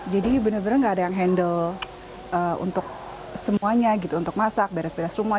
jadi benar benar gak ada yang handle untuk semuanya gitu untuk masak beres beres rumah